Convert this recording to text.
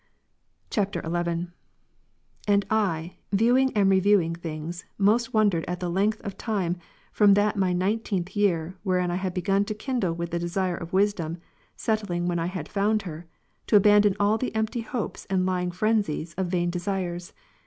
[XL] 18. And I, viewing and reviewing things, most wondered at the length of time from that my nineteenth year, wherein I had begun to kindle with the desire of wisdom, settling when I had found her, to abandon all the empty hopes and lying phrenzies of vain desires.